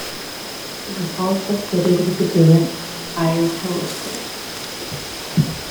It was also fitted with a direct fire telescope.